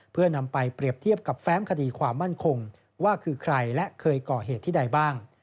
เพื่อนำไปเปรียบเทียบกับแฟ้มคดีความมั่นคงว่าคือใครและเคยก่อเหตุที่ใดบ้าง